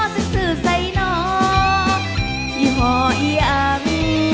สึกสึกใส่หนอย่อออีอัง